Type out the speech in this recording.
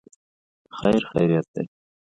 خیر خیریت دی.